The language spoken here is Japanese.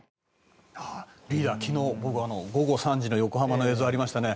リーダー、昨日午後３時の横浜の映像がありましたね。